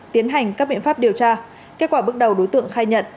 tiến hành các biện pháp điều tra kết quả bước đầu đối tượng khai nhận